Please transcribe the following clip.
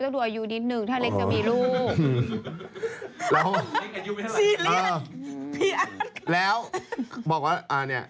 อร์ดเหมือนไรละครับ